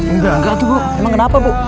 enggak enggak tuh bu emang kenapa bu